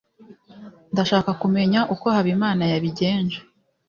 Ndashaka kumenya uko Habimana yabigenje.